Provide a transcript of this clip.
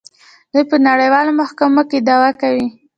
دوی په نړیوالو محکمو کې دعوا کوي.